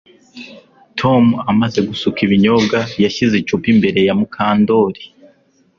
Tom amaze gusuka ibinyobwa yashyize icupa imbere ya Mukandoli